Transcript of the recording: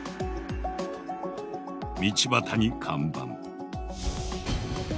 道端に看板。